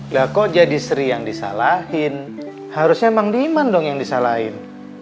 lah kok jadi sri yang disalahin harusnya memang demand dong yang disalahin